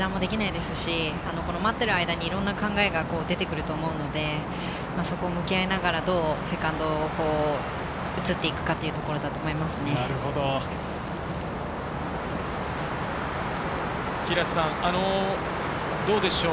油断もできないですし、待っている間にいろんな考えが出てくると思うので、そこに向き合いながら、どうセカンドに移っていくかというところどうでしょう？